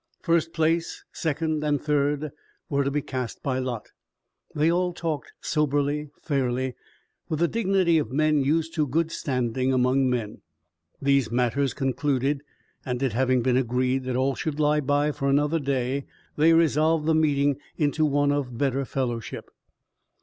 First place, second and third were to be cast by lot. They all talked soberly, fairly, with the dignity of men used to good standing among men. These matters concluded, and it having been agreed that all should lie by for another day, they resolved the meeting into one of better fellowship.